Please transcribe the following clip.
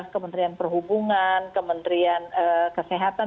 kementerian perhubungan kementerian kesehatan